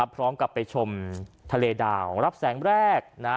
พร้อมกับไปชมทะเลดาวรับแสงแรก